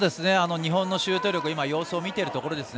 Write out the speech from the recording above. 日本のシュート力様子を見ているところですね。